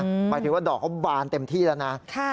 หมายถึงว่าดอกเขาบานเต็มที่แล้วนะ